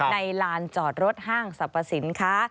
ลานจอดรถห้างสรรพสินค้า